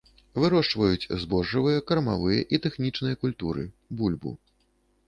Вырошчваюць збожжавыя, кармавыя і тэхнічныя культуры, бульбу.